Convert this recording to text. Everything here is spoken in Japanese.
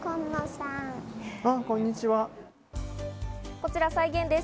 こちら再現です。